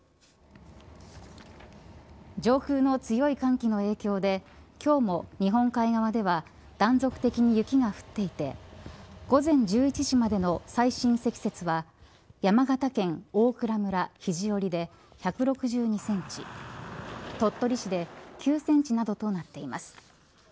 上空の強い寒気の影響で今日も日本海側では断続的に雪が降っていて午前１１時までの最深積雪は山形県大蔵村肘折で１６２センチ鳥取市で９センチなどとなっています。